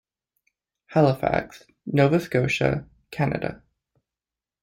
Halifax, Nova Scotia, Canada.